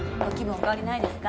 お変わりないですか？